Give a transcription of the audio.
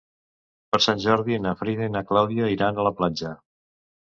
Per Sant Jordi na Frida i na Clàudia iran a la platja.